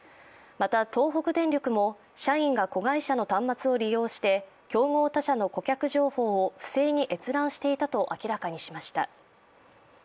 また東北電力も社員が子会社の端末を利用して競合他社の顧客情報を不正に閲覧していたと明らかにしました。